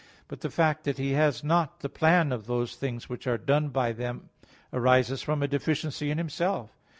But the fact that he has not the plan of those things which are done by them arises from a deficiency in himself.